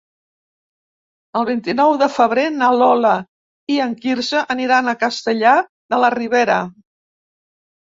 El vint-i-nou de febrer na Lola i en Quirze aniran a Castellar de la Ribera.